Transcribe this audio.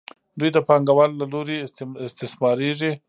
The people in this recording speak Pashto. دوی د پانګوالو له لوري استثمارېږي